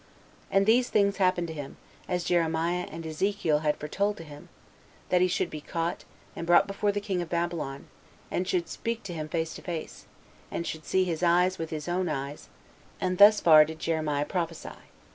And these things happened to him, 13 as Jeremiah and Ezekiel had foretold to him, that he should be caught, and brought before the king of Babylon, and should speak to him face to face, and should see his eyes with his own eyes; and thus far did Jeremiah prophesy.